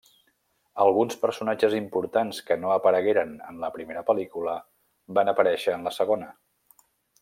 Alguns personatges importants que no aparegueren en la primera pel·lícula van aparèixer en la segona.